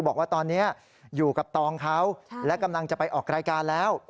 บอกว่าตอนนี้อยู่กับตองเขาและกำลังจะไปออกรายการแล้ว